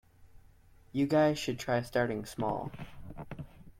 You guys should try starting small.